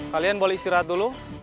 kalian boleh istirahat dulu